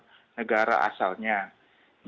jadi itu tergantung keperluan orang di luar negara